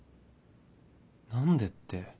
何でって